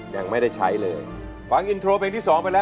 ยังไม่ได้ใช้เลยฟังอินโทรเพลงที่สองไปแล้ว